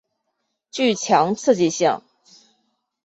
具强刺激性。